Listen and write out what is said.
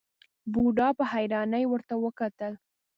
بوډا په حيرانۍ ورته وکتل.